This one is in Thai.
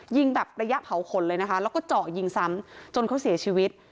ยิงแบบระยะเผาขนเลยนะคะแล้วก็เจาะยิงซ้ำจนเขาเสียชีวิต